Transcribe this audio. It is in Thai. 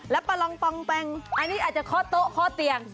แล้วปลาลองปองแปงอันนี้อาจจะคอเต๊ะคอเตียง